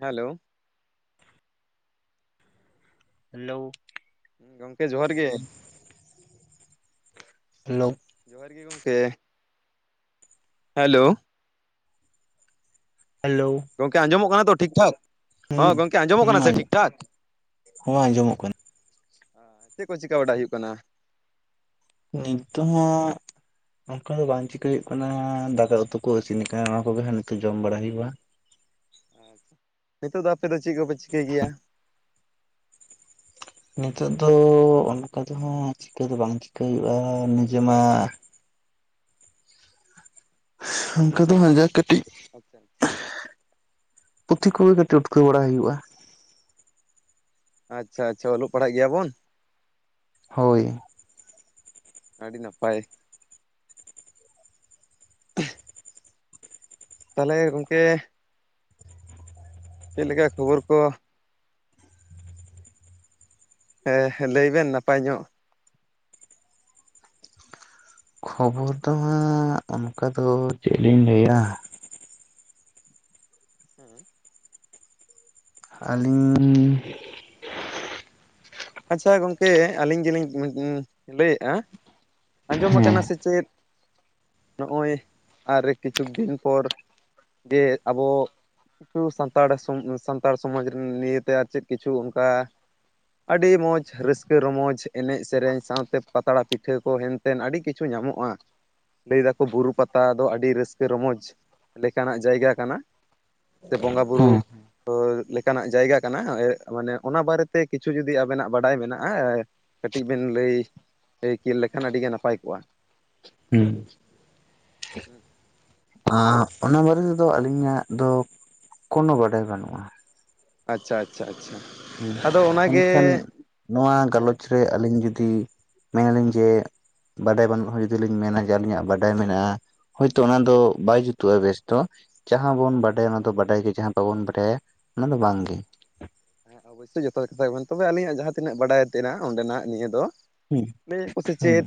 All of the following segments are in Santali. ᱦᱮᱞᱳ ᱦᱮᱞᱳ ᱜᱚᱝᱠᱮ ᱡᱚᱦᱟᱨ ᱜᱮ ᱞᱳ ᱡᱚᱦᱟᱨ ᱜᱮ ᱜᱚᱢᱠᱮ ᱦᱮᱞᱳ ᱦᱮᱞᱳ ᱜᱚᱢᱠᱮ ᱟᱸᱡᱚᱢᱚᱜ ᱠᱟᱱᱟ ᱛᱚ ᱴᱷᱤᱠ ᱴᱷᱟᱠ? ᱦᱚᱸᱮᱸ ᱦᱩᱸ ᱜᱚᱝᱠᱮ ᱟᱸᱡᱚᱢᱚᱜ ᱠᱟᱱᱟ ᱥᱮ ᱦᱩᱸ ᱴᱷᱤᱠᱼᱴᱷᱟᱠ? ᱦᱚᱸ ᱟᱸᱡᱚᱢᱚᱜ ᱠᱟᱱᱟ ᱪᱮᱫ ᱠᱚ ᱪᱤᱠᱠᱟ ᱵᱟᱰᱟᱭ ᱦᱩᱭᱩᱜ ᱠᱟᱱᱟ? ᱱᱤᱛᱚᱜ ᱦᱚᱸ ᱚᱱᱠᱟ ᱫᱚ ᱵᱟᱝ ᱪᱤᱠᱟᱹᱭ ᱦᱩᱭᱩᱜ ᱠᱟᱱᱟ ᱫᱟᱠᱟ ᱩᱛᱩ ᱠᱚ ᱤᱥᱤᱱ ᱠᱟᱱᱟ ᱚᱱᱟ ᱠᱚᱜᱮ ᱦᱟᱜ ᱱᱤᱛᱚᱜ ᱡᱚᱢ ᱵᱟᱲᱟᱟᱭ ᱦᱩᱭᱩᱜᱼᱟ ᱾ ᱟᱪᱪᱷᱟ ᱱᱤᱛᱚᱜ ᱫᱚ ᱟᱯᱮ ᱫᱚ ᱪᱮᱫ ᱠᱚᱯᱮ ᱪᱤᱠᱟᱹᱭ ᱜᱮᱭᱟ? ᱱᱤᱛᱚᱜ ᱫᱚ ᱚᱱᱠᱟ ᱫᱚ ᱦᱟᱸᱜ ᱪᱤᱠᱟᱹ ᱫᱚ ᱵᱟᱝ ᱪᱤᱠᱟᱹᱭ ᱦᱩᱭᱩᱜᱼᱟ ᱱᱤᱡᱮ ᱢᱟ ᱚᱱᱠᱟ ᱫᱚ ᱡᱟᱜ ᱠᱟᱹᱴᱤᱡ ᱟᱪᱪᱷᱟ ᱯᱩᱛᱷᱤ ᱠᱚᱜᱮ ᱠᱟᱹᱴᱤᱡ ᱩᱴᱠᱟᱹᱣ ᱵᱟᱲᱟ ᱦᱩᱭᱩᱜᱼᱟ ᱾ ᱟᱪᱪᱷᱟ ᱟᱪᱷᱟ ᱚᱞᱚᱜ ᱯᱟᱲᱦᱟᱜ ᱜᱮᱭᱟᱵᱚᱱ ᱾ ᱦᱳᱭ ᱟᱹᱰᱤ ᱱᱟᱯᱟᱭ ᱾ ᱛᱟᱦᱚᱞᱮ ᱜᱚᱝᱠᱮ ᱪᱮᱫ ᱞᱮᱠᱟ ᱠᱷᱚᱵᱚᱨ ᱠᱚ? ᱦᱮᱸ ᱞᱟᱹᱭ ᱵᱮᱱ ᱱᱟᱯᱟᱭ ᱧᱚᱜ? ᱠᱷᱚᱵᱚᱨ ᱫᱚ ᱦᱟᱸᱜ ᱚᱱᱠᱟ ᱫᱚ ᱪᱮᱫ ᱞᱤᱧ ᱞᱟᱹᱭᱟ ᱾ ᱦᱮᱸ ᱟᱹᱞᱤᱧ ᱟᱪᱪᱷᱟ ᱜᱚᱝᱠᱮ ᱟᱹᱞᱤᱧ ᱜᱮᱞᱤᱧ ᱞᱟᱹᱭᱮᱫᱼᱟ ᱟᱸᱡᱚᱢ ᱟᱠᱟᱱᱟ ᱦᱮᱸ ᱥᱮ ᱪᱮᱫ ᱱᱚᱜᱼᱚᱭ ᱟᱨ ᱠᱤᱪᱷᱩᱠ ᱫᱤᱱ ᱯᱚᱨ ᱡᱮ ᱟᱵᱚ ᱥᱟᱱᱛᱟᱲ ᱥᱟᱱᱛᱟᱲ ᱥᱚᱢᱟᱡᱽ ᱨᱮᱱ ᱱᱤᱭᱟᱹᱛᱮ ᱟᱨ ᱪᱮᱫ ᱠᱤᱪᱷᱩ ᱚᱱᱠᱟ ᱟᱹᱰᱤ ᱢᱚᱡᱽ ᱨᱟᱹᱥᱠᱟᱹ ᱨᱚᱢᱚᱡᱽ ᱮᱱᱮᱡ ᱥᱮᱨᱮᱧ ᱥᱟᱶᱛᱮ ᱯᱟᱛᱲᱟ ᱯᱤᱴᱷᱟᱹ ᱠᱚ ᱦᱮᱱᱛᱮ ᱾ ᱟᱹᱰᱤ ᱠᱤᱪᱷᱩ ᱧᱟᱢᱚᱜᱼᱟ ᱾ ᱞᱟᱹᱭ ᱫᱟᱠᱚ ᱵᱩᱨᱩ ᱯᱟᱛᱟ ᱫᱚ ᱟᱹᱰᱤ ᱨᱟᱹᱥᱠᱟᱹ ᱨᱚᱢᱚᱡ ᱞᱮᱠᱟᱱᱟᱜ ᱡᱟᱭᱜᱟ ᱠᱟᱱᱟ ᱾ ᱥᱮ ᱵᱚᱸᱜᱟ ᱵᱩᱨᱩ ᱦᱮᱸ ᱞᱮᱠᱟᱱᱟᱜ ᱡᱟᱭᱜᱟ ᱠᱟᱱᱟ ᱢᱟᱱᱮ ᱚᱱᱟ ᱵᱟᱨᱮᱛᱮ ᱠᱤᱪᱷᱩ ᱡᱩᱫᱤ ᱟᱵᱮᱱᱟᱜ ᱵᱟᱰᱟᱭ ᱢᱮᱱᱟᱜᱼᱟ ᱠᱟᱹᱴᱤᱡ ᱵᱮᱱ ᱞᱟᱹᱭᱠᱤᱱ ᱞᱮᱠᱷᱟᱱ ᱟᱹᱰᱤ ᱜᱮ ᱱᱟᱯᱟᱭ ᱠᱚᱜᱼᱟ᱾ ᱦᱩᱸ ᱚᱱᱟ ᱵᱟᱨᱮ ᱛᱮᱫᱚ ᱟᱹᱞᱤᱧᱟᱜ ᱫᱚ ᱠᱚᱱᱚ ᱵᱟᱰᱟᱭ ᱵᱟᱹᱱᱩᱜᱼᱟ᱾ ᱟᱪᱪᱷᱟ ᱟᱪᱪᱷᱟ ᱟᱪᱪᱷᱟ ᱦᱩᱸ ᱟᱫᱚ ᱚᱱᱟᱜᱮ ᱢᱮᱱᱠᱷᱟᱱ ᱱᱚᱣᱟ ᱦᱮᱸ ᱜᱟᱞᱚᱪ ᱨᱮ ᱟᱹᱞᱤᱧ ᱡᱩᱫᱤ ᱢᱮᱱᱟᱞᱤᱧ ᱡᱮ ᱵᱟᱰᱟᱭ ᱵᱟᱹᱱᱩᱜ ᱦᱚᱸ ᱡᱩᱫᱤ ᱞᱤᱧ ᱢᱮᱱᱟ ᱡᱮ ᱟᱹᱞᱤᱧᱟᱜ ᱵᱟᱰᱟᱭ ᱢᱮᱱᱟᱜᱼᱟ ᱦᱚᱭ ᱛᱚ ᱚᱱᱟ ᱦᱮᱸ ᱫᱚ ᱵᱟᱭ ᱡᱩᱛᱩᱜᱼᱟ ᱵᱮᱥ ᱫᱚ ᱡᱟᱦᱟᱸ ᱵᱚᱱ ᱵᱟᱰᱟᱭᱟ ᱚᱱᱟ ᱫᱚ ᱵᱟᱰᱟᱭ ᱜᱮ ᱡᱟᱦᱟᱸ ᱵᱟᱵᱚᱱ ᱵᱟᱰᱟᱭᱟ ᱚᱱᱟ ᱫᱚ ᱵᱟᱝᱜᱮ ᱚᱵᱚᱥᱳᱭ ᱡᱚᱛᱚ ᱠᱟᱛᱷᱟ ᱜᱮ ᱛᱚᱵᱮ ᱟᱹᱞᱤᱧᱟᱜ ᱡᱟᱦᱟᱸ ᱛᱤᱱᱟᱹᱜ ᱵᱟᱲᱟᱭ ᱛᱮᱱᱟᱜ ᱚᱸᱰᱮᱱᱟᱜ ᱱᱤᱭᱟᱹ ᱫᱚ ᱦᱩᱸ [unintelligible] ᱠᱩ ᱦᱩᱸ ᱪᱮᱫ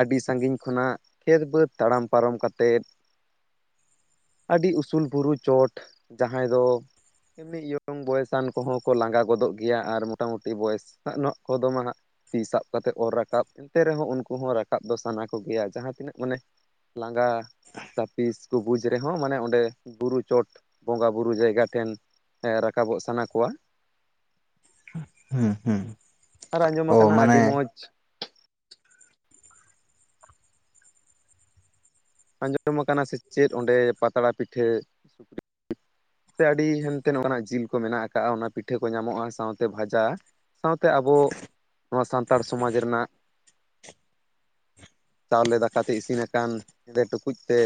ᱟᱹᱰᱤ ᱥᱟᱺᱜᱤᱧ ᱠᱷᱚᱱᱟᱜ ᱠᱷᱮᱛ ᱵᱟᱹᱫᱽ ᱛᱟᱲᱟᱢ ᱯᱟᱨᱚᱢ ᱠᱟᱛᱮᱫ ᱟᱹᱰᱤ ᱩᱥᱩᱞ ᱵᱩᱨᱩ ᱪᱚᱴ ᱡᱟᱦᱟᱸᱭ ᱫᱚ ᱮᱢᱱᱤ ᱵᱚᱭᱮᱥᱟᱱ ᱠᱚᱦᱚᱸ ᱠᱚ ᱞᱟᱸᱜᱟ ᱜᱚᱫᱚᱜ ᱜᱮᱭᱟ ᱟᱨ ᱢᱚᱴᱟ-ᱢᱩᱴᱤ ᱵᱚᱭᱮᱥ ᱟᱱᱚᱜ ᱠᱚᱫᱚ ᱢᱟᱜ ᱛᱤ ᱥᱟᱵ ᱠᱟᱛᱮᱫ ᱚᱨ ᱨᱟᱠᱟᱵ ᱮᱱᱛᱮ ᱨᱮᱦᱚᱸ ᱩᱱᱠᱩ ᱦᱚᱸ ᱨᱟᱠᱟᱵ ᱫᱚ ᱥᱟᱱᱟ ᱠᱚᱜᱮᱭᱟ ᱡᱟᱦᱟᱸ ᱛᱤᱱᱟᱹᱜ ᱢᱟᱱᱮ ᱞᱟᱸᱜᱟ ᱛᱟᱯᱤᱥ ᱠᱚ ᱵᱩᱡᱽ ᱨᱮᱦᱚᱸ ᱢᱟᱱᱮ ᱚᱸᱰᱮ ᱵᱩᱨᱩ ᱪᱚᱴ ᱵᱚᱸᱜᱟ ᱵᱩᱨᱩ ᱡᱟᱭᱜᱟ ᱴᱷᱮᱱ ᱨᱟᱠᱟᱵᱚᱜ ᱥᱟᱱᱟ ᱠᱚᱣᱟ ᱾ ᱦᱩᱸ ᱦᱩᱸ ᱟᱨ ᱚ ᱟᱸᱡᱚᱢᱟᱠᱟᱱᱟ ᱢᱟᱱᱮ ᱟᱹᱰᱤ ᱢᱚᱡᱽ ᱟᱸᱡᱚᱢ ᱟᱠᱟᱱᱟ ᱥᱮ ᱪᱮᱫ ᱚᱸᱰᱮ ᱯᱟᱛᱲᱟ ᱯᱤᱴᱷᱟᱹ ᱥᱩᱠᱨᱤ [unintelligible] ᱥᱮ ᱟᱹᱰᱤ ᱦᱟᱱᱛᱮ ᱱᱚᱝᱠᱟᱱᱟᱜ ᱡᱤᱞ ᱠᱚ ᱢᱮᱱᱟᱜ ᱟᱠᱟᱜᱼᱟ ᱚᱱᱟ ᱯᱤᱴᱷᱟᱹ ᱠᱚ ᱧᱟᱢᱚᱜᱼᱟ ᱥᱟᱶ ᱛᱮ ᱵᱷᱟᱡᱟ ᱥᱟᱶᱛᱮ ᱟᱵᱚ ᱱᱚᱣᱟ ᱥᱟᱱᱛᱟᱲ ᱥᱚᱢᱟᱡᱽ ᱨᱮᱱᱟᱜ ᱪᱟᱣᱞᱮ ᱫᱟᱠᱟᱛᱮ ᱤᱥᱤᱱ ᱟᱠᱟᱱ ᱦᱮᱸᱫᱮ ᱴᱩᱠᱩᱡ ᱛᱮ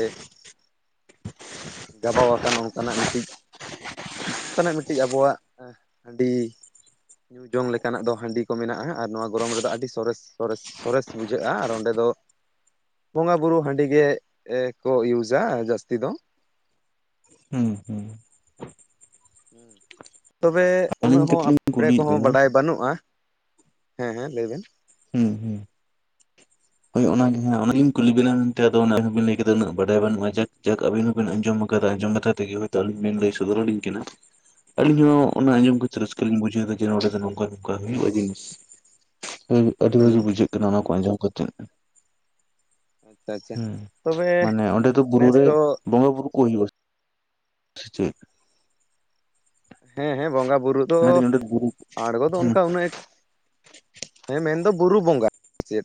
ᱜᱟᱵᱟᱣ ᱟᱠᱟᱱ ᱚᱱᱠᱟᱱᱟᱜ ᱢᱤᱫᱴᱤᱡ ᱱᱚᱝᱠᱟᱱᱟᱜ ᱢᱤᱫ ᱴᱤᱡ ᱟᱵᱚᱣᱟᱜ ᱦᱟᱺᱰᱤ ᱧᱩ ᱡᱚᱝ ᱞᱮᱠᱟᱱᱟᱜ ᱫᱚ ᱦᱟᱺᱰᱤ ᱠᱚ ᱢᱮᱱᱟᱜᱼᱟ ᱟᱨ ᱱᱚᱣᱟ ᱜᱚᱨᱚᱢ ᱨᱮᱫᱚ ᱟᱹᱰᱤ ᱥᱚᱨᱮᱥ ᱥᱚᱨᱮᱥ ᱥᱚᱨᱮᱥ ᱵᱩᱡᱷᱟᱹᱜᱼᱟ ᱟᱨ ᱚᱸᱰᱮ ᱫᱚ ᱵᱚᱸᱜᱟ ᱵᱩᱨᱩ ᱦᱟᱺᱰᱤ ᱟᱹᱰᱤ ᱜᱮ ᱠᱚ ᱤᱭᱩᱡᱟ ᱡᱟᱹᱥᱛᱤ ᱫᱚ᱾ ᱦᱩᱸ ᱛᱚᱵᱮ ᱩᱱᱟᱹᱜ ᱟᱹᱞᱤᱧ ᱠᱟᱹᱴᱤᱡ ᱦᱚᱸ ᱞᱤᱧ [unintelligible] ᱠᱩᱞᱤᱭᱮᱫ ᱠᱚᱦᱚᱸ ᱵᱮᱱᱟ ᱵᱟᱰᱟᱭ ᱵᱟᱹᱱᱩᱜᱼᱟ᱾ ᱦᱮᱸ ᱦᱮᱸ ᱞᱟᱹᱭᱵᱮᱱ ᱦᱩᱸ ᱦᱩᱸ [unintelligible] ᱦᱚᱭ ᱚᱱᱟ ᱜᱮ ᱦᱟᱜ ᱚᱱᱟᱜᱮᱧ ᱠᱩᱞᱤ ᱵᱤᱱᱟ ᱢᱮᱱᱛᱮ ᱟᱫᱚ ᱚᱱᱟᱵᱤᱱ ᱞᱟᱹᱭ ᱠᱮᱫᱟ ᱩᱱᱟᱜ ᱵᱟᱰᱟᱭ ᱵᱟᱹᱱᱩᱜᱼᱟ ᱡᱟᱠ ᱡᱟᱠ ᱟᱵᱤᱱ ᱵᱤᱱ ᱟᱸᱡᱚᱢ ᱟᱠᱟᱫᱟ ᱟᱸᱡᱚᱢ ᱠᱟᱛᱮ ᱜᱮ ᱦᱚᱭᱛᱥ ᱟᱹᱞᱤᱧ ᱵᱮᱤᱱ ᱞᱟᱹᱭ ᱥᱚᱫᱚᱨᱟᱞᱤᱧ ᱠᱟᱱᱟ᱾ [unintelligible] ᱟᱞᱤᱧ ᱦᱚᱸ ᱦᱮᱸ ᱚᱱᱟ ᱟᱸᱡᱚᱢ ᱠᱟᱛᱮ ᱨᱟᱹᱥᱠᱟᱹ ᱞᱤᱧ ᱵᱩᱡᱷᱟᱹᱣᱫᱟ ᱡᱮ ᱱᱚᱰᱮ ᱫᱚ ᱱᱚᱝᱠᱟ ᱱᱚᱝᱠᱟ ᱦᱩᱭᱩᱜᱼᱟ ᱡᱤᱱᱤᱥ ᱟᱹᱰᱤ ᱵᱷᱟᱹᱜᱮ ᱦᱩᱸ ᱵᱩᱡᱷᱟᱹᱣ [unintelligible] ᱠᱚ ᱟᱡᱚᱢ ᱠᱟᱛᱮᱜ ᱟᱪᱪᱷᱟ ᱟᱪᱪᱷᱟ ᱦᱮᱸ ᱛᱚᱵᱮ ᱢᱟᱱᱮ ᱚᱸᱰᱮ ᱛᱚ ᱵᱩᱨᱩ ᱱᱮᱥ ᱨᱮ ᱫᱚ ᱵᱚᱸᱜᱟ ᱵᱩᱨᱩ ᱠᱚ ᱦᱩᱭᱩᱜᱼᱟ [unintelligible] ᱦᱮᱸ ᱦᱮᱸ ᱵᱚᱸᱜᱟᱼ ᱵᱩᱨᱩ ᱫᱚ ᱢᱮᱱᱫᱟᱹᱧ ᱚᱸᱰᱮ ᱵᱩᱨᱩ ᱟᱬᱜᱚ ᱫᱚ ᱦᱮᱸ ᱚᱱᱠᱟ ᱩᱱᱟᱹᱜ ᱦᱮᱸ ᱢᱮᱱᱫᱚ ᱵᱩᱨᱩ ᱵᱚᱸᱜᱟ ᱪᱮᱫ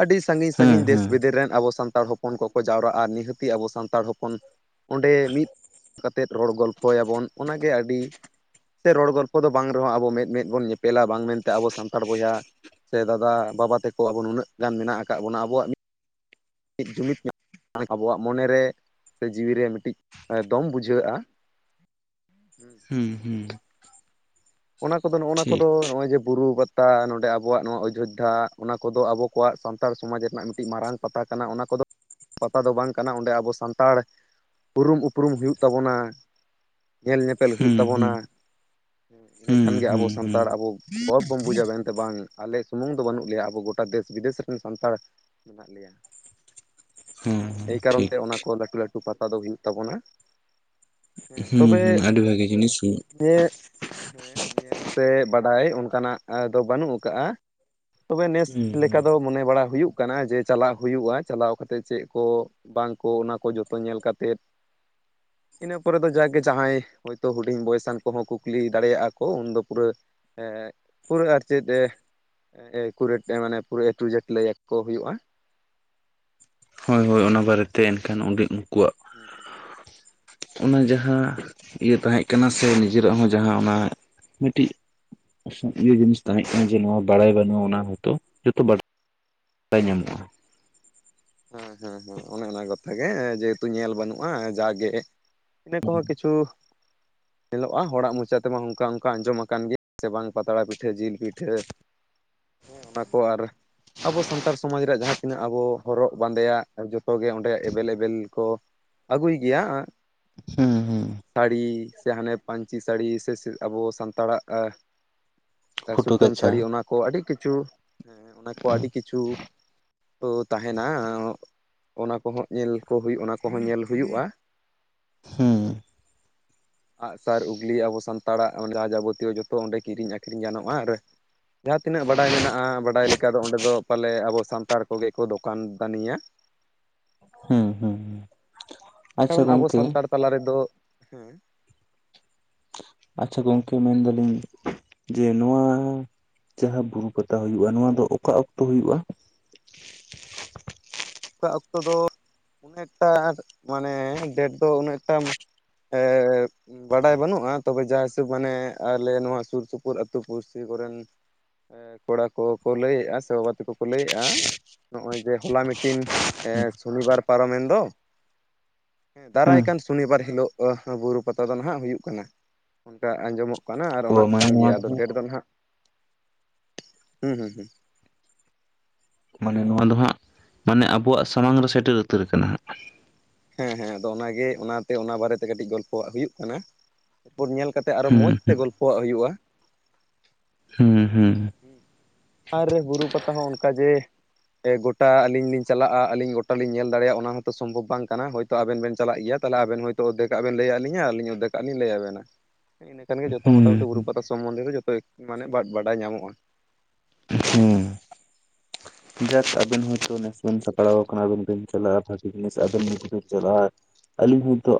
ᱟᱹᱰᱤ ᱥᱟᱺᱜᱤᱧ ᱦᱮᱸ ᱥᱟᱺᱜᱤᱧ ᱫᱮᱥ ᱦᱮᱸ ᱵᱤᱫᱮᱥ ᱨᱮᱱ ᱟᱵᱚ ᱥᱟᱱᱛᱟᱲ ᱦᱚᱯᱚᱱ ᱦᱚᱯᱚᱱ ᱠᱚᱠᱚ ᱡᱟᱣᱨᱟᱜ-ᱟ ᱱᱤᱦᱟᱹᱛᱤ ᱟᱵᱚ ᱥᱟᱱᱛᱟᱲ ᱦᱚᱯᱚᱱ ᱚᱸᱰᱮ ᱢᱤᱫ ᱠᱟ ᱛᱮᱫ ᱨᱚᱲ ᱜᱚᱞᱯᱷᱚ ᱭᱟᱵᱚᱱ᱾ ᱚᱱᱟᱜᱮ ᱟᱹᱰᱤ ᱥᱮ ᱨᱚᱲ ᱜᱚᱞᱯᱚ ᱫᱚ ᱵᱟᱝ ᱨᱮᱦᱚᱸ ᱟᱵᱚ ᱢᱮᱫ ᱢᱮᱫ ᱵᱚᱱ ᱧᱮᱯᱮᱞᱟ ᱵᱟᱝ ᱢᱮᱱᱛᱮ ᱟᱵᱚ ᱥᱟᱱᱛᱟᱲ ᱵᱚᱭᱦᱟ ᱥᱮ ᱫᱟᱫᱟ ᱵᱟᱵᱟ ᱛᱮᱠᱚ ᱟᱵᱚ ᱱᱩᱱᱟᱹᱜ ᱜᱟᱱ ᱢᱮᱱᱟᱜ ᱟᱠᱟᱫ ᱵᱚᱱᱟ ᱟᱵᱚᱣᱟᱜ ᱢᱤᱫ ᱴᱤᱡ ᱡᱩᱢᱤᱫ ᱧᱟᱢᱚᱜ ᱟᱵᱚᱣᱟᱜ ᱢᱚᱱᱮ ᱨᱮ ᱥᱮ ᱡᱤᱣᱤᱨᱮ ᱢᱤᱫᱴᱤᱡ ᱫᱚᱢ ᱵᱩᱡᱷᱟᱹᱜᱼᱟ᱾ ᱦᱩᱸ ᱦᱩᱸ ᱚᱱᱟ ᱠᱚᱫᱚ ᱱᱚᱜᱼᱱᱟ ᱴᱷᱤᱠ ᱠᱚᱫᱚ ᱱᱚᱜ-ᱚᱭ ᱡᱮ ᱵᱩᱨᱩ ᱯᱟᱛᱟ ᱱᱚᱸᱰᱮ ᱟᱵᱚᱣᱟᱜ ᱱᱚᱣᱟ ᱚᱡᱳᱫᱽᱫᱷᱟ ᱚᱱᱟ ᱠᱚᱫᱚ ᱟᱵᱚ ᱠᱚᱣᱟᱜ ᱥᱟᱱᱛᱟᱲ ᱥᱚᱢᱟᱡᱽ ᱨᱮᱱᱟᱜ ᱢᱤᱫᱴᱤᱡ ᱢᱟᱨᱟᱝ ᱯᱟᱛᱟ ᱠᱟᱱᱟ ᱚᱱᱟ ᱠᱚᱫᱚ ᱯᱟᱛᱟ ᱫᱚ ᱵᱟᱝ ᱠᱟᱱᱟ ᱚᱸᱰᱮ ᱟᱵᱚ ᱥᱟᱱᱛᱟᱲ ᱩᱨᱩᱢ ᱩᱯᱨᱩᱢ ᱦᱩᱭᱩᱜ ᱛᱟᱵᱚᱱᱟ ᱧᱮᱞ ᱧᱮᱯᱮᱞ ᱦᱩᱭᱩᱜ ᱦᱩᱸ ᱛᱟᱵᱚᱱᱟ ᱦᱩᱸ ᱾ ᱤᱱᱟᱹ ᱦᱩᱸ ᱠᱷᱟᱱᱜᱮ ᱟᱵᱚ ᱦᱩᱸ ᱦᱩᱸ ᱥᱟᱱᱛᱟᱲ ᱟᱵᱚ ᱜᱚᱨᱚᱵ ᱵᱚᱱ ᱵᱩᱡᱟ ᱢᱮᱱᱛᱮ ᱵᱟᱝ ᱟᱞᱮ ᱥᱩᱢᱩᱝ ᱫᱚ ᱵᱟᱹᱱᱩᱜ ᱞᱮᱭᱟ ᱟᱵᱚ ᱜᱚᱴᱟ ᱫᱮᱥ ᱵᱤᱫᱮᱥ ᱨᱮᱱ ᱥᱟᱱᱛᱟᱲ ᱦᱮᱸ [inaudible] ᱦᱮᱸ ᱮᱭ ᱠᱟᱨᱚᱱ ᱴᱷᱤᱠ ᱛᱮ ᱚᱱᱟ ᱠᱚ ᱞᱟᱹᱴᱩ ᱞᱟᱹᱴᱩ ᱯᱟᱛᱟ ᱫᱚ ᱦᱩᱭᱩᱜ ᱛᱟᱵᱚᱱᱟ ᱾ ᱦᱩᱸ ᱛᱚᱵᱮ ᱦᱩᱸ ᱟᱹᱰᱤ ᱵᱷᱟᱜᱤ ᱡᱤᱱᱤᱥ ᱦᱩᱸ ᱮᱸᱜ, ᱦᱮᱸ ᱧᱮᱞ ᱥᱮ ᱵᱟᱰᱟᱭ ᱚᱱᱠᱟᱱᱟᱜ ᱫᱚ ᱵᱟᱹᱱᱩᱜ ᱟᱠᱟᱜᱼᱟ ᱾ ᱛᱚᱵᱮ ᱱᱮᱥ ᱦᱩᱸ ᱞᱮᱠᱟ ᱫᱚ ᱢᱚᱱᱮ ᱵᱟᱲᱟ ᱦᱩᱭᱩᱜ ᱠᱟᱱᱟᱭ ᱡᱮ ᱪᱟᱞᱟᱜ ᱦᱩᱭᱩᱜ-ᱟ ᱪᱟᱞᱟᱣ ᱠᱟᱛᱮ ᱪᱮᱫ ᱠᱚ ᱵᱟᱝ ᱠᱚ ᱚᱱᱟ ᱠᱚ ᱡᱚᱛᱚ ᱧᱮᱞ ᱠᱟᱛᱮᱫ, ᱤᱱᱟᱹ ᱯᱚᱨᱮ ᱫᱚ ᱡᱟᱜᱮ ᱡᱟᱦᱟᱸᱭ ᱦᱚᱭᱛᱳ ᱦᱩᱰᱤᱧ ᱵᱚᱭᱮᱥᱟᱱ ᱠᱚᱦᱚᱸ ᱠᱩᱠᱞᱤ ᱫᱟᱲᱮᱭᱟᱜ-ᱟ ᱠᱩ ᱩᱱᱫᱚ ᱯᱩᱨᱟᱹ, ᱯᱩᱨᱟᱹ ᱟᱨ ᱪᱮᱫ ᱮᱠᱩᱨᱮᱴ ᱢᱟᱱᱮ ᱯᱩᱨᱟᱹ ᱮᱴᱩᱡᱮᱴ ᱞᱟᱹᱭᱟᱠᱚ ᱦᱩᱭᱩᱜ-ᱟ ᱾ ᱦᱳᱭ ᱦᱳᱭ ᱚᱱᱟ ᱵᱟᱨᱮᱛᱮ ᱮᱱᱠᱷᱟᱱ ᱩᱸᱰᱤᱡ [inaudible] ᱚᱱᱟ ᱡᱟᱦᱟᱸ ᱤᱭᱟᱹ ᱛᱟᱦᱮᱸ ᱠᱟᱱᱟ ᱥᱮ ᱱᱤᱡᱮᱨᱟᱜ ᱦᱚᱸ ᱡᱟᱦᱟᱸ ᱚᱱᱟ ᱢᱤᱫᱴᱤᱡ ᱤᱭᱟᱹ ᱡᱤᱱᱤᱥ ᱛᱟᱦᱮᱸ ᱠᱟᱱᱟ ᱡᱮ ᱱᱚᱣᱟ ᱵᱟᱲᱟᱭ ᱵᱟᱹᱱᱩᱜ-ᱟ ᱚᱱᱟ ᱦᱚᱛᱚ ᱡᱚᱛᱚ ᱵᱟᱹ ᱵᱟᱭ ᱧᱟᱢᱚᱜ-ᱟ ᱾ ᱦᱮᱸ ᱦᱮᱸ ᱦᱮᱸ ᱚᱱᱮ ᱚᱱᱟ ᱠᱟᱛᱷᱟ ᱜᱮ ᱡᱮᱦᱮᱛᱩ ᱧᱮᱞ ᱵᱟᱹᱱᱩᱜ-ᱟ ᱡᱟᱜᱮ ᱤᱱᱟᱹ ᱠᱚᱦᱚᱸ ᱠᱤᱪᱷᱩ ᱧᱮᱞᱚᱜ-ᱟ ᱦᱚᱲᱟᱜ ᱢᱚᱪᱟ ᱛᱮᱢᱟ ᱚᱱᱠᱟ ᱚᱱᱠᱟ ᱟᱸᱡᱚᱢ ᱟᱠᱟᱱ ᱜᱮᱭᱟ ᱥᱮ ᱵᱟᱝ ᱯᱟᱛᱲᱟ ᱯᱤᱴᱷᱟᱹ, ᱡᱤᱞ ᱯᱤᱴᱷᱟᱹ, ᱦᱮᱸ ᱚᱱᱟ ᱠᱚ ᱟᱨ ᱟᱵᱚ ᱥᱟᱱᱛᱟᱲ ᱥᱚᱢᱟᱡᱽ ᱨᱮᱭᱟᱜ ᱡᱟᱦᱟᱸ ᱛᱤᱱᱟᱹᱜ ᱟᱵᱚ ᱦᱚᱨᱚᱜ ᱵᱟᱸᱫᱮᱭᱟᱜ ᱡᱚᱛᱚ ᱜᱮ ᱚᱸᱰᱮ ᱮᱵᱮᱞ ᱮᱵᱮᱞ ᱠᱚ ᱟᱹᱜᱩᱭ ᱜᱮᱭᱟ ᱦᱩᱸ ᱥᱟᱹᱲᱤ ᱥᱮ ᱦᱟᱱᱮᱯ ᱯᱟᱹᱧᱪᱤ ᱥᱟᱹᱲᱤ ᱥᱮ ᱟᱵᱚ ᱥᱟᱱᱛᱟᱲᱟᱜ ᱮᱸ ᱯᱷᱩᱴᱟᱹ ᱥᱩᱛᱟᱹᱢ ᱠᱟᱪᱷᱟ ᱥᱟᱹᱲᱤ ᱚᱱᱟ ᱠᱚ ᱟᱹᱰᱤ ᱠᱤᱪᱷᱩ ᱚᱱᱟ ᱠᱚ ᱦᱩᱸ ᱟᱹᱰᱤ ᱠᱤᱪᱷᱩ ᱛᱚ ᱛᱟᱦᱮᱱᱟ ᱚᱱᱟ ᱠᱚᱦᱚᱸ ᱧᱮᱞ ᱠᱩ ᱦᱩᱭᱩᱜ ᱚᱱᱟ ᱠᱚᱦᱚᱸ ᱧᱮᱞ ᱦᱩᱭᱩᱜ-ᱟ ᱾ ᱦᱩᱸ ᱟᱜ-ᱥᱟᱨ, ᱩᱜᱽᱞᱤ ᱟᱵᱚ ᱥᱟᱱᱛᱟᱲᱟᱜ ᱡᱟᱦᱟᱸ ᱡᱟᱵᱚᱛᱤᱭᱚ ᱡᱚᱛᱚ ᱚᱸᱰᱮ ᱠᱤᱨᱤᱧ ᱟᱹᱠᱷᱨᱤᱧ ᱜᱟᱱᱚᱜ-ᱟ ᱟᱨ ᱡᱟᱦᱟᱸ ᱛᱤᱱᱟᱹᱜ ᱵᱟᱰᱟᱭ ᱢᱮᱱᱟᱜ-ᱟ ᱵᱟᱰᱟᱭ ᱞᱮᱠᱟ ᱫᱚ ᱚᱸᱰᱮ ᱫᱚ ᱯᱟᱞᱮ ᱟᱵᱚ ᱥᱟᱱᱛᱟᱲ ᱠᱚᱜᱮ ᱠᱚ ᱫᱚᱠᱟᱱ ᱫᱟᱱᱤᱭᱟ ᱦᱩᱸ ᱟᱪᱪᱷᱟ ᱠᱟᱨᱚᱱ ᱟᱵᱚ ᱜᱚᱝᱠᱮ ᱥᱟᱱᱛᱟᱲ ᱛᱟᱞᱟ ᱨᱮᱫᱚ ᱦᱮᱸ ᱟᱪᱪᱷᱟ ᱜᱚᱝᱠᱮ ᱢᱮᱱᱫᱟᱞᱤᱧ ᱡᱮ ᱱᱚᱣᱟ ᱡᱟᱦᱟᱸ ᱵᱩᱨᱩ ᱯᱟᱛᱟ ᱦᱩᱭᱩᱜᱼᱟ ᱱᱚᱣᱟ ᱫᱚ ᱚᱠᱟ ᱚᱠᱛᱚ ᱦᱩᱭᱩᱜᱼᱟ? ᱚᱠᱟ ᱚᱠᱛᱚ ᱫᱚ ᱩᱱᱟᱹᱜ ᱮᱠᱴᱟ ᱢᱟᱱᱮ ᱰᱮᱴ ᱫᱚ ᱩᱱᱟᱹᱜ ᱮᱠᱴᱟ ᱮᱸᱻᱻ ᱵᱟᱰᱟᱭ ᱵᱟᱹᱱᱩᱜᱼᱟ ᱛᱚᱵᱮ ᱡᱟ ᱦᱤᱥᱟᱹᱵ ᱢᱟᱱᱮ ᱟᱞᱮ ᱱᱚᱣᱟ ᱥᱩᱨ ᱥᱩᱯᱩᱨ ᱟᱹᱛᱩ ᱯᱩᱲᱥᱤ ᱠᱚᱨᱮᱱ ᱮ ᱠᱚᱲᱟ ᱠᱚᱠᱩ ᱞᱟᱹᱭᱮᱜ-ᱟ ᱥᱮ ᱵᱟᱵᱟ ᱛᱟᱠᱚ ᱠᱚ ᱞᱟᱹᱭᱮᱜᱼᱟ ᱱᱚᱜᱼᱚᱭ ᱡᱮ ᱦᱚᱞᱟ ᱢᱤᱫ ᱴᱤᱱ ᱥᱚᱱᱤᱵᱟᱨ ᱯᱟᱨᱚᱢᱮᱱ ᱫᱚ, ᱫᱟᱨᱟᱭ ᱦᱮᱸ ᱠᱟᱱ ᱥᱚᱱᱤᱵᱟᱨ ᱦᱤᱞᱳᱜ ᱵᱩᱨᱩ ᱯᱟᱛᱟ ᱫᱚ ᱱᱟᱜ ᱦᱩᱭᱩᱜ ᱠᱟᱱᱟ, ᱚᱱᱠᱟ ᱟᱸᱡᱚᱢᱚᱜ ᱠᱟᱱᱟ ᱟᱨ ᱚᱱᱟ ᱚ ᱢᱟᱱᱮ ᱠᱟᱱ ᱜᱮᱭᱟ ᱱᱚᱣᱟ ᱟᱫᱚ ᱰᱮᱴ ᱫᱚ ᱱᱟᱦᱟᱜ ᱢᱟᱱᱮ ᱱᱚᱣᱟ ᱫᱚ ᱦᱟᱸᱜ ᱢᱟᱱᱮ ᱟᱵᱚᱣᱟᱜ ᱥᱟᱢᱟᱝ ᱨᱮ ᱥᱮᱴᱮᱨ ᱩᱛᱟᱹᱨ ᱠᱟᱱᱟ ᱦᱟᱸᱜ ᱾ ᱦᱮᱸ ᱦᱮᱸ ᱟᱫᱚ ᱚᱱᱟᱜᱮ ᱚᱱᱟᱛᱮ ᱚᱱᱟ ᱵᱟᱨᱮᱛᱮ ᱠᱟᱹᱴᱤᱡ ᱜᱚᱞᱯᱚᱣᱟ ᱦᱩᱭᱩᱜ ᱠᱟᱱᱟ, ᱛᱟᱨᱯᱚᱨ ᱧᱮᱞ ᱠᱟᱛᱮᱜ ᱟᱨᱚ ᱦᱩᱸ ᱢᱚᱸᱡᱽ ᱛᱮ ᱜᱚᱞᱯᱚᱣᱟᱜ ᱦᱩᱭᱩᱜᱼᱟ ᱾ ᱦᱩᱸ ᱦᱩᱸ ᱟᱨ ᱵᱩᱨᱩ ᱯᱟᱛᱟ ᱦᱚᱸ ᱚᱱᱠᱟ ᱡᱮ ᱜᱚᱴᱟ ᱟᱞᱤᱧ ᱞᱤᱧ ᱪᱟᱞᱟᱜᱼᱟ ᱟᱹᱞᱤᱧ ᱜᱚᱴᱟ ᱞᱤᱧ ᱧᱮᱞ ᱫᱟᱲᱮᱭᱟᱜᱼᱟ ᱚᱱᱟ ᱦᱚᱸᱛᱚ ᱥᱚᱢᱵᱷᱚᱵ ᱵᱟᱝ ᱠᱟᱱᱟ ᱦᱳᱭ ᱛᱚ ᱟᱵᱮᱱ ᱵᱮᱱ ᱪᱟᱞᱟᱜ ᱜᱮᱭᱟ ᱛᱟᱦᱚᱞᱮ ᱟᱵᱮᱱ ᱦᱚᱭᱛ ᱚᱫᱷᱮᱠᱟᱜ ᱵᱮᱱ ᱞᱟᱹᱭᱟ ᱞᱤᱧᱟ ᱟᱞᱤᱧ ᱚᱫᱷᱮᱠᱟᱜ ᱞᱤᱧ ᱞᱟᱹᱭᱟ ᱵᱮᱱᱟ ᱾ ᱤᱱᱟᱹ ᱠᱷᱟᱱ ᱜᱮ ᱡᱚᱛᱚ ᱦᱩᱸ ᱢᱚᱴᱟᱢᱩᱴᱤ ᱵᱩᱨᱩ ᱯᱟᱛᱟ ᱥᱚᱢᱚᱱᱫᱷᱮ ᱜᱮ ᱡᱚᱛᱚ ᱢᱟᱱᱮ ᱵᱟᱰᱟᱭ ᱧᱟᱢᱚᱜᱼᱟ ᱾ ᱦᱩᱸ ᱡᱟᱠ ᱟᱵᱮᱱ ᱦᱚᱭᱛᱳ ᱱᱮᱥ ᱵᱟᱹᱧ ᱥᱟᱯᱲᱟᱣ ᱟᱠᱟᱱᱟ ᱵᱟᱹᱧ ᱪᱟᱞᱟᱜᱼᱟ ᱵᱷᱟᱜᱤ ᱡᱤᱱᱤᱥ ᱟᱵᱤᱱ ᱡᱩᱫᱤ ᱵᱤᱱ ᱪᱟᱞᱟᱜ ᱟᱹᱞᱤᱧ ᱦᱚᱸ ᱮᱱᱛᱮ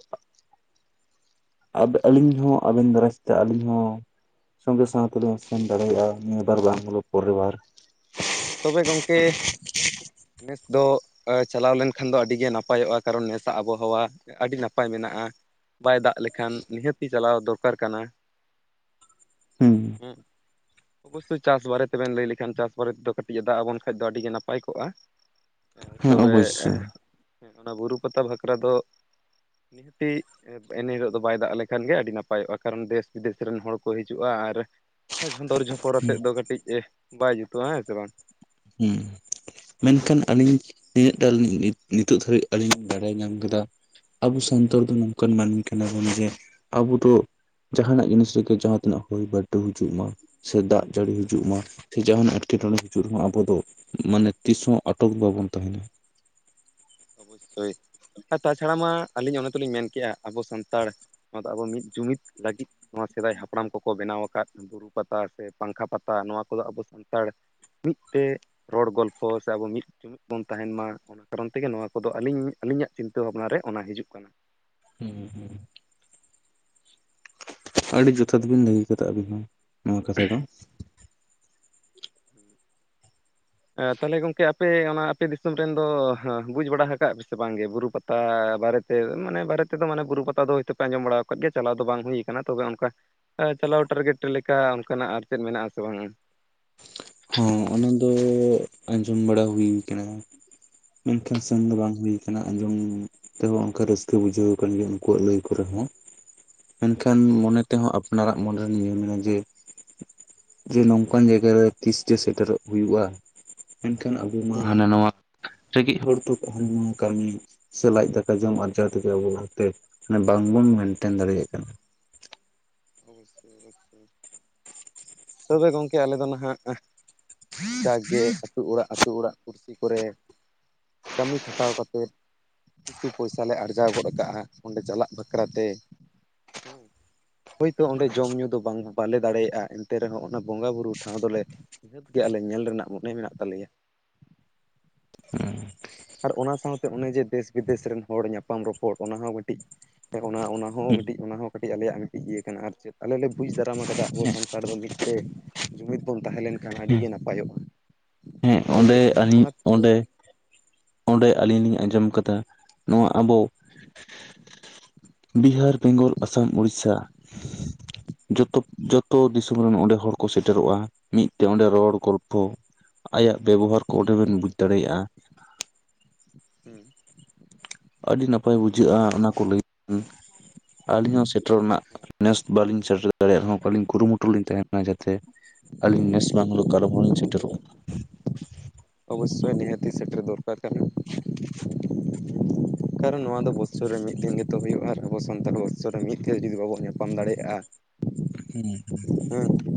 ᱟᱵ ᱟᱹᱞᱤᱧ ᱦᱚᱸ ᱟᱹᱵᱮᱱ ᱫᱟᱨᱟᱡ ᱥᱮᱛ ᱛᱮ ᱟᱹᱞᱤᱧ ᱦᱚᱸ ᱥᱚᱸᱜᱮ ᱥᱟᱶᱛᱮᱞᱤᱧ ᱥᱮᱱ ᱫᱟᱲᱮᱭᱟᱜᱼᱟ ᱱᱤᱭᱟᱹ ᱵᱟᱨ ᱵᱟᱝ ᱦᱳᱞᱳ ᱯᱚᱨᱮᱨ ᱵᱟᱨ ᱛᱚᱵᱮ ᱜᱚᱝᱠᱮ ᱱᱮᱥ ᱫᱚ ᱪᱟᱞᱟᱣ ᱞᱮᱱᱠᱷᱟᱱ ᱫᱚ ᱟᱹᱰᱤ ᱜᱮ ᱱᱟᱯᱟᱭᱚᱜᱼᱟ ᱠᱟᱨᱚᱱ ᱱᱮᱥᱟᱜ ᱟᱵᱚᱦᱟᱣᱟ ᱟᱹᱰᱤ ᱱᱟᱯᱟᱭ ᱢᱮᱱᱟᱜᱼᱟ ᱵᱟᱭ ᱫᱟᱜ ᱞᱮᱠᱷᱟᱱ ᱱᱤᱦᱟᱹᱛᱤ ᱪᱟᱞᱟᱣ ᱫᱚᱨᱠᱟᱨ ᱠᱟᱱᱟ [inaudible] ᱦᱩᱸ ᱦᱩᱸ, ᱚᱵᱚᱥᱥᱳᱭ ᱪᱟᱥ ᱵᱟᱨᱮ ᱛᱮᱵᱮᱱ ᱞᱟᱹᱭ ᱞᱮᱠᱷᱟᱱ ᱪᱟᱥ ᱵᱟᱨᱮ ᱛᱮᱫᱚ ᱠᱟᱴ ᱴᱤᱡ-ᱮ ᱫᱟᱜ ᱟᱵᱚᱱ ᱠᱷᱟᱡ ᱫᱚ ᱟᱹᱰᱤᱜᱮ ᱱᱟᱯᱟᱭ ᱠᱚᱜᱼᱟ ᱦᱮᱸ ᱛᱚᱵᱮ ᱚᱵᱚᱥᱥᱳᱭ ᱦᱮᱸ ᱚᱱᱟ ᱵᱩᱨᱩ ᱯᱟᱛᱟ ᱵᱷᱟᱠᱨᱟ ᱫᱚ ᱱᱤᱦᱟᱹᱛᱤ ᱮᱱ ᱦᱤᱞᱳᱜ ᱫᱚ ᱵᱟᱭ ᱫᱟᱜ ᱞᱮᱠᱷᱟᱱ ᱜᱮ ᱟᱹᱰᱤ ᱱᱟᱯᱟᱭᱚᱜᱼᱟ ᱠᱟᱨᱚᱱ ᱫᱮᱥ ᱵᱤᱫᱮᱥ ᱨᱮᱱ ᱦᱚᱲ ᱠᱚ ᱦᱤᱡᱩᱜᱼᱟ ᱟᱨ ᱡᱷᱚᱸᱫᱚᱨ ᱡᱷᱚᱯᱚᱨ ᱦᱩᱸ ᱟᱛᱮᱫ ᱫᱚ ᱠᱟᱹᱴᱤᱡ ᱮᱸ ᱵᱟᱭ ᱡᱩᱛᱩᱜᱼᱟ ᱦᱮᱸ ᱥᱮ ᱵᱟᱝ ᱦᱩᱸ ᱢᱮᱱᱠᱷᱟᱱ ᱟᱹᱞᱤᱧ ᱛᱤᱱᱟᱹᱜᱴᱟ ᱟᱞᱤᱧ ᱱᱤᱛᱚᱜ ᱫᱷᱟᱹᱵᱤᱡ ᱟᱞᱤᱧ ᱞᱤᱧ ᱵᱟᱲᱟᱭ ᱧᱟᱢ ᱠᱟᱫᱟ ᱟᱵᱚ ᱥᱟᱱᱛᱟᱲ ᱫᱚ ᱱᱚᱝᱠᱟᱱ ᱢᱟᱹᱱᱢᱤ ᱠᱟᱱᱟ ᱵᱚᱱ ᱡᱮ ᱟᱵᱚ ᱫᱚ ᱡᱟᱦᱟᱱᱟᱜ ᱡᱤᱱᱤᱥ ᱨᱮᱜᱮ ᱡᱟᱦᱟᱸᱛᱤᱱᱟᱹᱜ ᱦᱚᱭ ᱵᱟᱨᱰᱩ ᱦᱤᱡᱩᱜ ᱢᱟ ᱥᱮ ᱫᱟᱜ ᱡᱟᱹᱲᱤ ᱦᱤᱡᱩᱜ ᱢᱟ ᱥᱮ ᱡᱟᱦᱱᱟᱜ ᱮᱴᱠᱮᱴᱚᱬᱮ ᱦᱤᱡᱩᱜ ᱢᱟ ᱟᱵᱚ ᱫᱚ ᱢᱟᱱᱮ ᱛᱤᱥᱦᱚᱸ ᱟᱴᱚᱠ ᱵᱟᱵᱚᱱ ᱛᱟᱦᱮᱱᱟ ᱚᱱᱳᱥᱥᱳᱭ, ᱟᱨ ᱛᱟᱪᱷᱟᱲᱟ ᱢᱟ ᱟᱹᱞᱤᱧ ᱚᱱᱮ ᱛᱚᱞᱤᱧ ᱢᱮᱱ ᱠᱮᱜᱼᱟ ᱟᱵᱚ ᱥᱟᱱᱛᱟᱲ ᱱᱚᱣᱟ ᱫᱚ ᱟᱵᱚ ᱢᱤᱫ ᱡᱩᱢᱤᱫ ᱞᱟᱹᱜᱤᱫ ᱱᱚᱣᱟ ᱥᱮᱫᱟᱭ ᱦᱟᱯᱲᱟᱢ ᱠᱚᱠᱚ ᱵᱮᱱᱟᱣ ᱟᱠᱟᱫ ᱵᱩᱨᱩ ᱯᱟᱛᱟ ᱥᱮ ᱯᱟᱝᱠᱷᱟ ᱯᱟᱛᱟ ᱱᱚᱣᱟ ᱠᱚᱫᱚ ᱟᱵᱚ ᱥᱟᱱᱛᱟᱲ ᱢᱤᱫ ᱛᱮ ᱨᱚᱲ ᱜᱚᱞᱯᱷᱚ ᱥᱮ ᱟᱵᱚ ᱢᱤᱫ ᱡᱩᱢᱤᱫ ᱵᱚᱱ ᱛᱟᱦᱮᱱ ᱢᱟ ᱚᱱᱟ ᱠᱟᱨᱚᱱ ᱛᱮᱜᱮ ᱱᱚᱣᱟ ᱠᱚᱫᱚ ᱟᱹᱞᱤᱧ ᱟᱹᱞᱤᱧᱟᱜ ᱪᱤᱱᱛᱟᱹ ᱵᱷᱟᱵᱽᱱᱟ ᱨᱮ ᱚᱱᱟ ᱦᱤᱡᱩᱜ ᱠᱟᱱᱟ ᱦᱩᱸ ᱦᱩᱸ ᱟᱹᱰᱤ ᱡᱚᱛᱷᱟᱛᱵᱤᱱ ᱞᱟᱹᱭ ᱠᱟᱫᱟ ᱟᱹᱵᱤᱱ ᱦᱚᱸ ᱱᱚᱣᱟ ᱠᱟᱛᱷᱟ ᱫᱚ ᱦᱮᱸ ᱮᱸ ᱛᱟᱦᱞᱮ ᱜᱚᱝᱠᱮ ᱟᱯᱮ ᱚᱱᱟ ᱟᱯᱮ ᱫᱤᱥᱚᱢ ᱨᱮᱱ ᱫᱚ ᱵᱩᱡᱽ ᱵᱟᱲᱟ ᱠᱟᱜ ᱯᱮᱥᱮ ᱵᱟᱝᱜᱮ ᱵᱩᱨᱩ ᱯᱟ ᱛᱟ ᱵᱟᱨᱮᱛᱮ ᱢᱟᱱᱮ ᱵᱟᱨᱮ ᱛᱮᱫᱚ ᱢᱟᱱᱮ ᱵᱩᱨᱩ ᱯᱟᱛᱟ ᱫᱚ ᱦᱭᱛᱳ ᱯᱮ ᱟᱸᱡᱚᱢ ᱵᱟᱲᱟ ᱟᱠᱟᱫ ᱜᱮᱭᱟ ᱪᱟᱞᱟᱣ ᱫᱚ ᱵᱟᱝ ᱦᱩᱭ ᱠᱟᱱᱟ ᱛᱚᱵᱮ ᱚᱱᱠᱟ ᱪᱟᱞᱟᱣ ᱴᱟᱨᱜᱮᱴ ᱞᱮᱠᱟ ᱚᱱᱠᱟᱱᱟᱜ ᱟᱨ ᱪᱮᱫ ᱢᱮᱱᱟᱜ-ᱟ ᱥᱮ ᱵᱟᱝ ᱦᱚᱸ ᱚᱱᱟ ᱫᱚ ᱟᱸᱡᱚᱢ ᱵᱟᱲᱟ ᱦᱩᱭᱩ ᱠᱟᱱᱟ ᱢᱮᱱᱠᱷᱟᱱ ᱥᱮᱱ ᱫᱚ ᱵᱟᱝ ᱦᱩᱭ ᱠᱟᱱᱟ ᱟᱸᱡᱚᱢ ᱛᱮᱵᱮ ᱚᱝᱠᱟ ᱨᱟᱹᱥᱠᱟᱹ ᱵᱩᱡᱷᱟᱹᱣ ᱠᱟᱱ ᱜᱮᱭᱟ ᱩᱝᱠᱩᱣᱟᱜ ᱞᱟᱹᱭ ᱠᱚᱨᱮᱦᱚᱸ [inaudible] ᱢᱮᱱᱠᱷᱟᱱ ᱟᱪᱪᱷᱟ ᱢᱚᱱᱮ ᱛᱮᱦᱚᱸ ᱟᱯᱱᱟᱨᱟᱜ ᱢᱚᱱᱮᱨᱮ ᱱᱤᱭᱟᱹᱱᱟ ᱡᱮ ᱡᱮ ᱱᱚᱝᱠᱟᱱ ᱡᱟᱭᱜᱟ ᱨᱮ ᱛᱤᱥ ᱡᱮ ᱥᱮᱴᱮᱨᱚᱜ ᱦᱩᱭᱩᱜᱼᱟ ᱢᱮᱱᱠᱷᱟᱱ ᱟᱵᱚ ᱢᱟ ᱦᱩᱸ ᱦᱟᱱᱟ ᱱᱟᱣᱟ ᱨᱮᱸᱜᱮᱡ ᱦᱚᱲ ᱛᱚᱠ [unintelligible] ᱠᱟᱹᱢᱤ ᱥᱮ ᱞᱟᱡ ᱫᱟᱠᱟ ᱡᱚᱢ ᱟᱨᱡᱟᱣ ᱛᱮᱜᱮ ᱟᱵᱚ ᱚᱱᱛᱮ ᱵᱟᱝᱵᱚᱱ ᱢᱮᱱᱴᱮᱱ ᱫᱟᱲᱮᱭᱟᱜ ᱠᱟᱱᱟ ᱛᱚᱵᱮ ᱜᱚᱝᱠᱮ ᱟᱞᱮ ᱫᱚ ᱱᱟᱦᱟᱜ ᱡᱟᱜᱽᱜᱮ ᱟᱹᱛᱩ ᱚᱲᱟᱜ ᱟᱹᱛᱩ ᱚᱲᱟᱜ ᱯᱩᱲᱥᱤ ᱠᱚᱨᱮ ᱠᱟᱹᱢᱤ ᱠᱷᱟᱴᱟᱣ ᱠᱟᱛᱮᱫ ᱠᱤᱪᱷᱩ ᱯᱚᱭᱥᱟ ᱞᱮ ᱟᱨᱡᱟᱣ ᱜᱚᱫ ᱠᱟᱜᱼᱟ ᱚᱸᱰᱮ ᱪᱟᱞᱟᱜ ᱵᱟᱠᱷᱨᱟ ᱛᱮ, ᱦᱮᱸ ᱦᱳᱭᱛᱳ ᱚᱸᱰᱮ ᱡᱚᱢᱼᱧᱩ ᱫᱚ ᱵᱟᱝ ᱵᱟᱞᱮ ᱫᱟᱲᱮᱭᱟᱜᱼᱟ ᱮᱱᱛᱮ ᱨᱮᱦᱚᱸ ᱚᱱᱟ ᱵᱚᱸᱜᱟᱼ ᱵᱩᱨᱩ ᱴᱷᱟᱶ ᱫᱚᱞᱮ ᱱᱤᱦᱟᱹᱛ ᱜᱮ ᱟᱞᱮ ᱧᱮᱞ ᱨᱮᱱᱟᱜ ᱢᱚᱱᱮ ᱢᱮᱱᱟᱜ ᱛᱟᱞᱮᱭᱟ ᱦᱩᱸ ᱟᱨ ᱚᱱᱟ ᱥᱟᱶᱛᱮ ᱚᱱᱮ ᱡᱮ ᱫᱮᱥ ᱵᱤᱫᱮᱥ ᱨᱮᱱ ᱦᱚᱲ ᱧᱟᱯᱟᱢ ᱨᱚᱯᱚᱲ ᱚᱱᱟ ᱦᱚᱸ ᱢᱤᱫᱴᱤᱡ [unintelligible] ᱚᱱᱟ ᱦᱚᱸ ᱦᱮᱸ ᱢᱤᱫᱴᱤᱡ ᱚᱱᱟ ᱦᱚᱸ ᱠᱟᱹᱴᱤᱡ ᱟᱞᱮᱭᱟᱜ ᱢᱤᱫᱴᱤᱡ ᱤᱭᱟᱹ ᱠᱟᱱᱟ ᱟᱨ ᱪᱮᱫ, ᱟᱞᱮ ᱞᱮ ᱵᱩᱡᱽ ᱫᱟᱨᱟᱢ ᱟᱠᱟᱫᱟ ᱟᱵᱚ ᱥᱟᱱᱛᱟᱲ ᱫᱚ ᱢᱤᱫ ᱥᱮ ᱡᱩᱢᱤᱫ ᱵᱚᱱ ᱛᱟᱦᱮᱸ ᱞᱮᱱᱠᱷᱟᱱ ᱟᱹᱰᱤ ᱦᱮᱸ ᱜᱮ ᱱᱟᱯᱟᱭᱚᱜᱼᱟ ᱦᱮᱸ ᱛᱚᱵᱮ ᱚᱸᱰᱮ ᱟᱹᱞᱤᱧ ᱚᱱᱟ ᱚᱸᱰᱮ ᱚᱸᱰᱮ ᱟᱹᱞᱤᱧ ᱞᱤᱧ ᱟᱸᱡᱚᱢ ᱟᱠᱟᱫᱟ᱾ ᱱᱚᱣᱟ ᱟᱵᱚ ᱵᱤᱦᱟᱨ ᱵᱮᱝᱜᱚᱞ ᱟᱥᱟᱢ ᱚᱲᱤᱥᱥᱟ ᱡᱚᱛᱚ ᱡᱚᱛᱚ ᱦᱩᱸ ᱫᱤᱥᱚᱢ ᱟ ᱨᱮᱱ ᱚᱸᱰᱮ ᱦᱚᱲ ᱠᱚ ᱥᱮᱴᱮᱨᱚᱜᱼᱟ ᱢᱤᱫ ᱛᱮ ᱚᱸᱰᱮ ᱨᱚᱲ ᱜᱚᱞᱯᱚ, ᱟᱭᱟᱜ ᱵᱮᱵᱚᱦᱟᱨ ᱠᱚ ᱚᱸᱰᱮ ᱵᱮᱱ ᱵᱩᱡᱽ ᱫᱟᱲᱮᱭᱟᱜᱼᱟ᱾ [inaudible] ᱟᱹᱰᱤ ᱱᱟᱯᱟᱭ ᱵᱩᱡᱷᱟᱹᱜᱼᱟ ᱚᱱᱟ ᱠᱚ ᱞᱟᱹᱭ, ᱟᱹᱞᱤᱧ ᱦᱚᱸ ᱥᱮᱴᱮᱨ ᱨᱮᱱᱟᱜ ᱱᱮᱥ ᱵᱟᱞᱤᱧ ᱥᱮᱴᱮᱨ ᱫᱟᱲᱮᱭᱟᱜ ᱨᱮᱦᱚᱸ ᱵᱟᱹᱞᱤᱧ ᱠᱩᱨᱩᱢᱩᱴᱩ ᱞᱤᱧ ᱛᱟᱦᱮᱱᱟ, ᱚᱱᱟ ᱡᱟᱛᱮ ᱟᱹᱞᱤᱧ ᱱᱮᱥ ᱵᱟᱝᱦᱚᱞᱮ ᱠᱟᱞᱚᱢ ᱞᱤᱧ ᱥᱮᱴᱮᱨᱚᱜ, ᱚᱵᱚᱥᱥᱳᱭ ᱱᱤᱦᱟᱹᱛᱤ ᱥᱮᱴᱮᱨ ᱫᱚᱨᱠᱟᱨ ᱠᱟᱱᱟ, ᱠᱟᱨᱚᱱ ᱱᱚᱣᱟ ᱫᱚ ᱵᱚᱥᱚᱨ ᱨᱮ ᱢᱤᱫ ᱫᱤᱱ ᱜᱮᱛᱚ ᱦᱩᱭᱩᱜᱼᱟ, ᱟᱨ ᱟᱵᱚ ᱥᱟᱱᱛᱟᱲ ᱵᱚᱛᱥᱚᱨ ᱨᱮ ᱢᱤᱫ ᱫᱤᱱ ᱦᱚᱸ ᱡᱩᱫᱤ ᱵᱟᱵᱚᱱ ᱧᱟᱯᱟᱢ ᱫᱟᱲᱮᱭᱟᱜᱼᱟ, [inaudible] ᱦᱮᱸ ᱦᱮᱸ [unintelligible]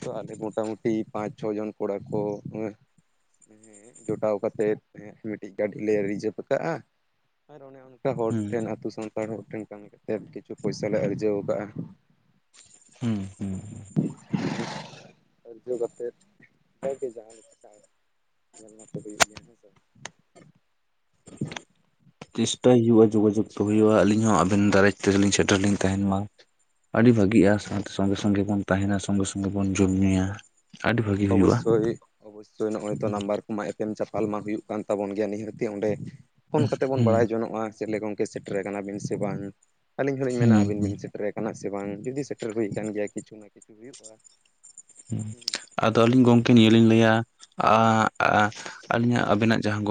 ᱛᱚ ᱟᱞᱮ ᱢᱳᱚᱴᱟᱢᱩᱴᱤ ᱯᱟᱸᱪ ᱪᱷᱚ ᱡᱚᱱ ᱠᱚᱲᱟ ᱠᱚ ᱦᱮ, ᱡᱚᱴᱟᱣ ᱠᱟᱛᱮᱫ ᱢᱤᱫᱴᱤᱡ ᱜᱟᱹᱰᱤ ᱞᱮ ᱨᱤᱡᱟᱹᱵᱷ ᱟᱠᱟᱫᱼᱟ, ᱟᱨ ᱚᱱᱮ ᱚᱱᱠᱟ ᱦᱚᱲ ᱦᱩᱸ ᱴᱷᱮᱱ ᱟᱹᱛᱩ ᱥᱟᱱᱛᱟᱲ ᱦᱚᱲ ᱴᱷᱮᱱ ᱠᱟᱹᱢᱤ ᱠᱟᱛᱮᱫ ᱠᱤᱪᱷᱩ ᱯᱚᱭᱥᱟ ᱞᱮ ᱟᱨᱡᱟᱹᱣ ᱟᱠᱟᱫᱼᱟ᱾ ᱦᱩᱸ ᱦᱩᱸ, ᱟᱨᱡᱚ ᱠᱟᱛᱮᱫ ᱡᱟᱜᱮ ᱡᱟᱦᱟᱸ ᱞᱮᱠᱟ ᱧᱮᱞ ᱢᱟᱛ ᱦᱩᱭᱩᱜ ᱜᱮᱭᱟ ᱦᱮᱸ ᱥᱮ, [inaudible] ᱪᱮᱥᱴᱟᱭ ᱦᱩᱭᱩᱜᱼᱟ ᱡᱳᱜᱟᱡᱳᱜᱽ ᱫᱚ ᱦᱩᱭᱩᱜᱼᱟ ᱟᱹᱞᱤᱧ ᱦᱚᱸ ᱟᱹᱵᱮᱱ ᱫᱟᱨᱟᱭ ᱛᱮᱞᱤᱧ ᱥᱮᱴᱮᱨ ᱞᱤᱧ ᱛᱟᱦᱮᱱ ᱢᱟ, ᱟᱹᱰᱤ ᱵᱷᱟᱹᱜᱤᱜᱼᱟ ᱥᱟᱶᱛᱮ ᱥᱚᱸᱜᱮ ᱥᱚᱸᱜᱮ ᱵᱚᱱ ᱛᱟᱦᱮᱱᱟ ᱥᱚᱸᱜᱮ ᱥᱚᱸᱜᱮ ᱵᱚᱱ ᱡᱚᱢᱼ ᱧᱩᱭᱟ, ᱟᱹᱰᱤ ᱵᱷᱟᱹᱜᱤ ᱦᱩᱭᱩᱜᱼᱟ ᱚᱵᱚᱥᱥᱳᱭ ᱚᱵᱚᱥᱥᱳᱭ ᱱᱚᱜᱼᱚᱭ ᱛᱚ ᱱᱟᱢᱵᱟᱨ, ᱮᱯᱮᱢ ᱪᱟᱯᱟᱞ ᱢᱟ ᱦᱩᱭᱩᱜ ᱠᱟᱱ ᱛᱟᱵᱚᱱ ᱜᱮᱭᱟ ᱱᱤᱦᱟᱹᱛᱤ ᱚᱸᱰᱮ ᱯᱷᱳᱱ ᱠᱟᱛᱮ ᱵᱚᱱ ᱦᱩᱸ ᱵᱟᱲᱟᱭ ᱡᱚᱱᱚᱜᱼᱟ ᱪᱮᱫ ᱜᱚᱝᱠᱮ, ᱥᱮᱴᱮᱨᱮ ᱟᱠᱟᱱᱟ ᱵᱤᱱ ᱥᱮ ᱵᱟᱝ ᱟᱹᱞᱤᱧ ᱦᱚᱞᱤᱧ ᱦᱩᱸ ᱢᱮᱱᱟ ᱟᱹᱵᱤᱱ ᱦᱩᱸ ᱵᱤᱱ ᱥᱮᱴᱮᱨᱟ ᱟᱠᱟᱱᱟ ᱥᱮ ᱵᱟᱝ ᱡᱩᱫᱤ, ᱥᱮᱴᱮᱨ ᱦᱩᱭ ᱟᱠᱟᱱ ᱜᱮᱭᱟ ᱠᱤᱪᱷᱩ ᱱᱟ ᱠᱤᱪᱷᱩ ᱦᱩᱭᱩᱜᱼᱟ, ᱟᱫᱚ ᱟᱹᱞᱤᱧ ᱦᱳᱭ ᱜᱚᱝᱠᱮ ᱱᱤᱭᱟᱹ ᱞᱤᱧ ᱞᱟᱹᱭᱟ, ᱟᱹᱞᱤᱧᱟᱜ ᱟᱵᱮᱱᱟᱜ ᱡᱟᱦᱟᱸ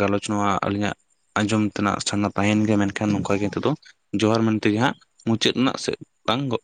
ᱜᱟᱞᱚᱪ ᱱᱚᱣᱟ ᱟᱹᱞᱤᱧᱟᱜ ᱟᱸᱡᱚᱢ, ᱱᱟᱜ ᱥᱟᱱᱟ ᱛᱟᱦᱮᱱ ᱜᱮᱭᱟ ᱢᱮᱱᱠᱷᱟᱱ ᱱᱚᱝᱠᱟ ᱜᱮ ᱱᱤᱛᱚᱜ ᱫᱚ ᱡᱚᱦᱟᱨ ᱢᱮᱱᱛᱮᱜᱮ ᱦᱟᱸᱜ ᱢᱩᱪᱟᱹᱫ ᱨᱮᱱᱟᱜ ᱥᱮᱫ ᱵᱟᱝ ᱜᱚ